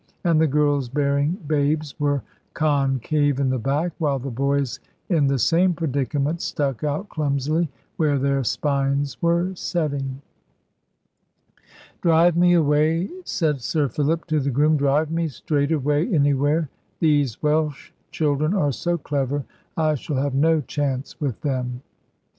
And the girls bearing babes were concave in the back, while the boys in the same predicament stuck out clumsily where their spines were setting. "Drive me away," said Sir Philip to the groom; "drive me straight away anywhere: these Welsh children are so clever, I shall have no chance with them."